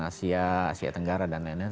asia asia tenggara dan lain lain